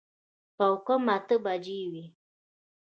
پاو کم اته بجې وې.